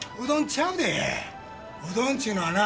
うどんちゅうのはな